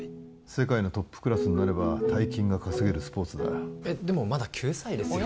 世界のトップクラスになれば大金が稼げるスポーツだえっでもまだ９歳ですよ